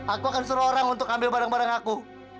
aku akan suruh orang untuk ambil barang barang aku